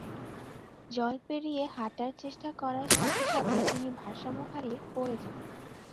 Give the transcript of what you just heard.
জল পেরিয়ে হাঁটার চেষ্টা করার সাথে সাথে তিনি ভারসাম্য হারিয়ে পড়ে যান।